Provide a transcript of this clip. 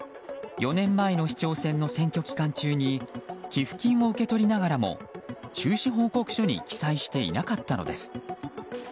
４年前の市長選の選挙期間中に寄付金を受け取りながらも収支報告書に記載していなかったのです。